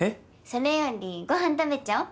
それよりご飯食べちゃおう。